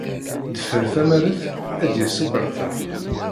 Deffer tamaret, ad yas ubertex.